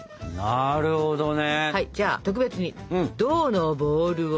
なるほどね！